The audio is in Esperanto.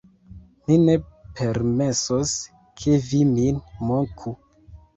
mi ne permesos, ke vi min moku!